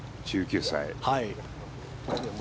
１９歳。